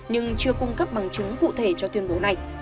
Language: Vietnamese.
nhưng chưa cung cấp bằng chứng cụ thể cho tuyên bố này